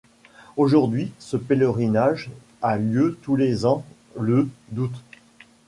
Aujourd'hui ce pèlerinage a lieu tous les ans le d'août..